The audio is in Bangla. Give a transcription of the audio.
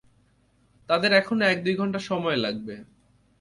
তাদের এখনো এক দুই ঘন্টা সময় লাগবে।